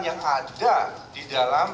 yang ada di dalam